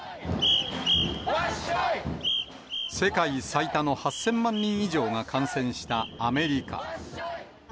世界最多の８０００万人以上が感染したアメリカ。